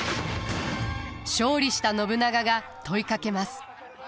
勝利した信長が問いかけます。